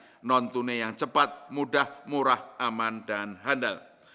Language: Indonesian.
yang non tunai yang cepat mudah murah aman dan handal